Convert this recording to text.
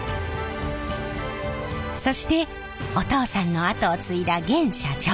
そしてお父さんの後を継いだ現社長。